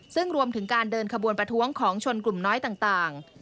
ซึ่งรวมถึงการเดินขบวนประท้วงของชนกลุ่มน้อยต่าง